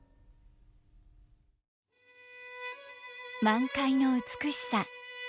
満開の美しさ。